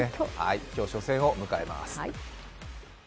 今日、初戦を迎えます。